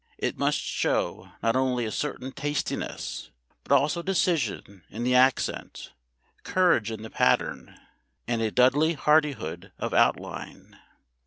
It must show not only a certain tastiness, but also decision in the accent, courage in the pattern, and a Dudley Hardihood of outline.